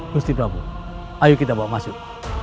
gusti prabu ayo kita bawa masuk